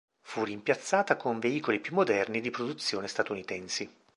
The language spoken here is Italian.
Fu rimpiazzata con veicoli più moderni di produzione statunitensi.